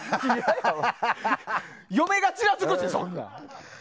嫁がちらつくし。